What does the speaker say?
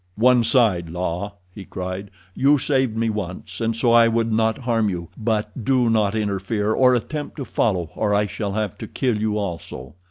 "One side, La," he cried. "You saved me once, and so I would not harm you; but do not interfere or attempt to follow, or I shall have to kill you also."